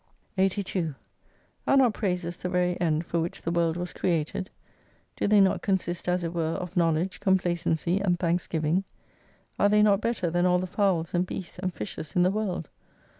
82 Are not praises the very end for which the world was created ? Do they not consist as it were of know ledge, complacency, and thanksgiving ? Are they not better than all the fowls and beasts and fishes in the world